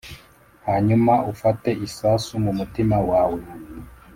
hanyuma ufate isasu mumutima wawe